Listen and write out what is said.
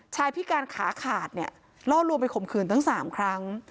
ชายพิการขาขาดรอดรวมไปขมขื่นตั้ง๓ครั้ง